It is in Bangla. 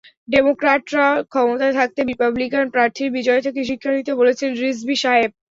ডেমোক্র্যাটরা ক্ষমতায় থাকতে রিপাবলিকান প্রার্থীর বিজয় থেকে শিক্ষা নিতে বলেছেন রিজভী সাহেব।